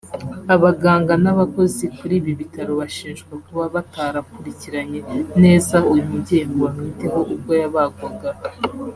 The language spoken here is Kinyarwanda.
Abaganga n’abakozi kuri ibi bitaro bashinjwa kuba batarakurikiranye neza uyu mubyeyi ngo bamwiteho ubwo yabagwaga